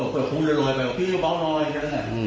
เขาคุ้นละลอยไปพี่เบาหน่อยเห็นไหม